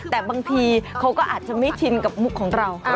แต่บางทีเขาก็อาจจะไม่ชินกับมุกของเรา